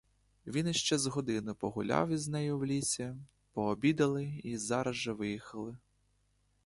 Він іще з годину погуляв із нею в лісі, пообідали й зараз же виїхали.